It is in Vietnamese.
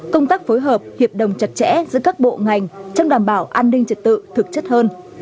công tác phối hợp hiệp đồng chặt chẽ giữa các bộ ngành trong đảm bảo an ninh trật tự thực chất hơn